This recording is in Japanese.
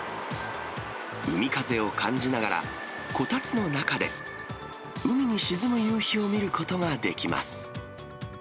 海風を感じながら、こたつの中で、海に沈む夕日を見ることができます。